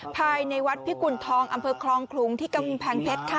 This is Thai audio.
ภายในวัดพิกุณฑองอำเภอคลองขลุงที่กำแพงเพชรค่ะ